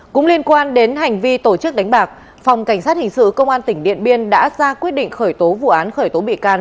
cũng liên quan đến hành vi tổ chức đánh bạc phòng cảnh sát hình sự công an tỉnh điện biên đã ra quyết định khởi tố vụ án khởi tố bị can